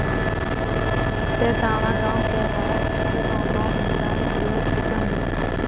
C'est un agame terrestre, présentant une teinte bleue soutenue.